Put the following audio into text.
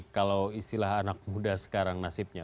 kalau istilah anak muda sekarang nasibnya